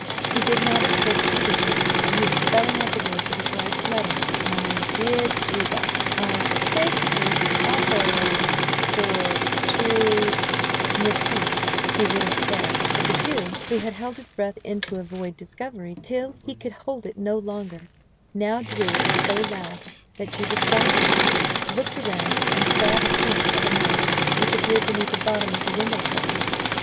He did not at first see the Jew, and he was spelling out the words of his wife's letter. "My dear Juba, "I take this op por tu " nity he would have said; but the Jew, who had held his breath in to avoid discovery, till he could hold it no longer, now drew it so loud, that Juba started, looked round, and saw the feet of a man, which appeared beneath the bottom of the window curtain.